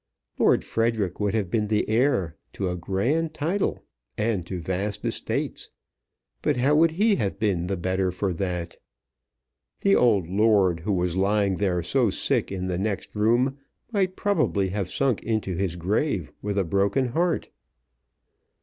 Lord Frederic would have been the heir to a grand title and to vast estates; but how would he have been the better for that? The old lord who was lying there so sick in the next room might probably have sunk into his grave with a broken heart.